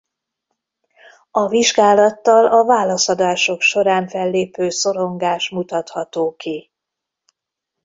A vizsgálattal a válaszadások során fellépő szorongás mutatható ki.